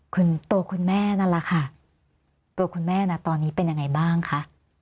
คุณตัวคุณแม่นั่นแหละค่ะตัวคุณแม่นะตอนนี้เป็นยังไงบ้างคะ